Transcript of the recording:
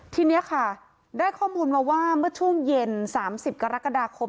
ทีนี้ค่ะได้ข้อมูลมาว่าเมื่อช่วงเย็น๓๐กรกฎาคม